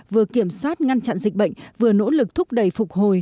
vừa kiểm soát ngăn chặn dịch bệnh vừa nỗ lực thúc đẩy phục hồi